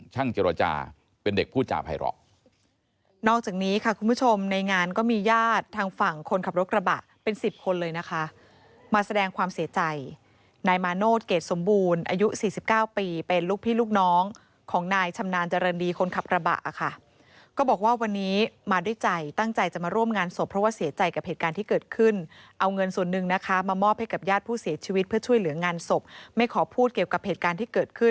แหมของคนขับรถกระบะเป็น๑๐คนเลยนะคะมาแสดงความเสียดายนายมาโนจเกรดสมบูรณ์อายุ๔๙ปีเป็นลูกพี่ลูกน้องของนายชำนาญจรณ์ดีคนขับกระบะอ่ะค่ะก็บอกว่าวันนี้มีตังใจตั้งใจจะมาร่วมงานศพเพราะเสียใจกับเหตุการณ์ที่เกิดขึ้นเอาเงินส่วนหนึ่งนะครับมามอบให้กับญาติผู้เสียชีวิตเพื่อช่วยเหลืองานสบไม่